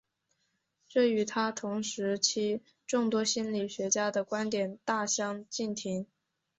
这与他同时期众多心理学家的观点大相径庭。